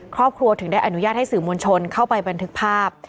ครอบครัวถึงได้อนุญาตให้สื่อมวลชนเข้าไปบันทึกภาพ